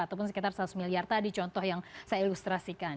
ataupun sekitar seratus miliar tadi contoh yang saya ilustrasikan